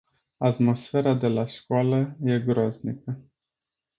Atmosfera de la școală e groaznică.